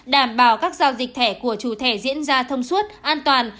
đảm bảo các giao dịch thẻ của chủ thẻ diễn ra thông suốt an toàn